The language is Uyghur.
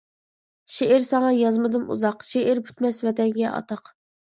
شېئىر ساڭا يازمىدىم ئۇزاق، شېئىر پۈتمەس ۋەتەنگە ئاتاق.